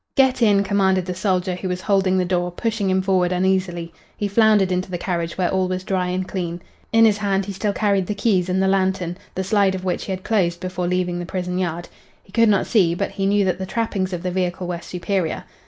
"Get in!" commanded the soldier who was holding the door, pushing him forward uneasily. He floundered into the carriage where all was dry and clean. In his hand he still carried the keys and the lantern, the slide of which he had closed before leaving the prison yard. He could not see, but he knew that the trappings of the vehicle were superior.